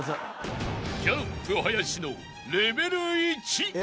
［ギャロップ林のレベル１］